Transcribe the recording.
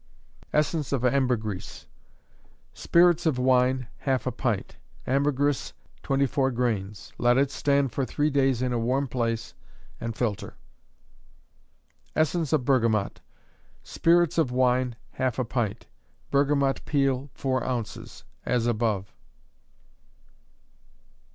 Essence of Ambergris. Spirits of wine, half a pint; ambergris, 24 grains. Let it stand for three days in a warm place, and filter. Essence of Bergamot. Spirits of wine, half a pint; bergamot peel, four ounces: as above.